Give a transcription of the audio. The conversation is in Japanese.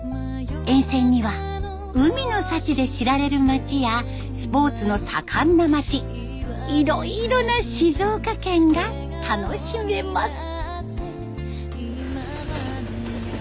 沿線には海の幸で知られる町やスポーツの盛んな町いろいろな静岡県が楽しめます。